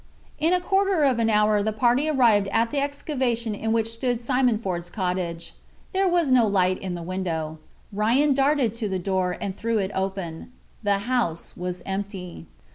In a quarter of an hour the party arrived at the excavation in which stood Simon Ford's cottage. There was no light in the window. Ryan darted to the door, and threw it open. The house was empty.